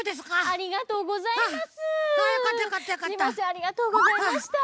ありがとうございます！